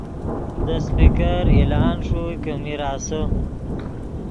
دے سپیکر اعلان ݰوئے کہ میر آسے